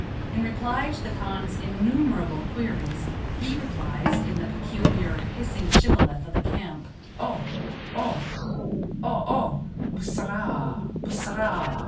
In reply to the khan's innumerable queries he replies, in the peculiar, hissing shibboleth of the camp, "O, O, O O bus s s orah, b s s s orah."